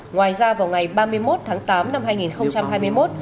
ngoài ra vào ngày ba mươi một tháng tám năm hai nghìn hai mươi một